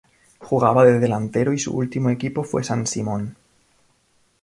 Jugaba de delantero y su último equipo fue San Simón.